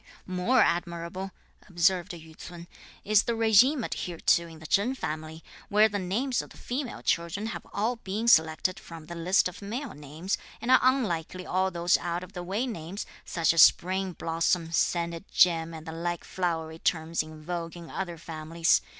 "More admirable," observed Yü ts'un, "is the régime (adhered to) in the Chen family, where the names of the female children have all been selected from the list of male names, and are unlike all those out of the way names, such as Spring Blossom, Scented Gem, and the like flowery terms in vogue in other families.